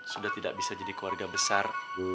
sudah tidak bisa jadi keluarga besar